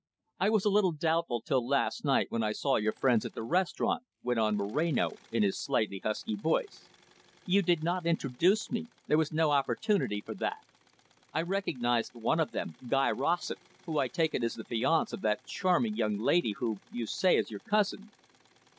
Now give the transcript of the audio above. "I was a little doubtful till last night when I saw your friends at the restaurant," went on Moreno, in his slightly husky voice. "You did not introduce me, there was no opportunity for that. I recognised one of them, Guy Rossett, who, I take it, is the fiance of that charming young lady who, you say, is your cousin."